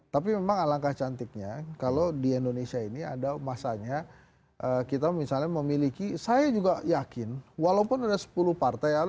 tapi memang alangkah cantiknya kalau di indonesia ini ada masanya kita misalnya memiliki saya juga yakin walaupun ada sepuluh partai